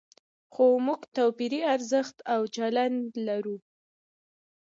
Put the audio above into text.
خو موږ توپیري ارزښت او چلند لرو.